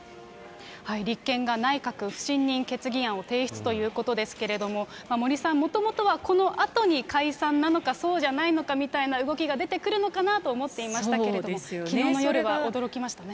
立憲が内閣不信任決議案を提出ということですけれども、森さん、もともとはこのあとに解散なのか、そうじゃないのかみたいな動きが出てくるのかなと思っていましたけれども、きのうの夜は驚きましたね。